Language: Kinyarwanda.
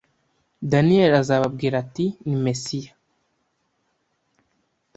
Daniel azababwira ati: Ni Mesiya.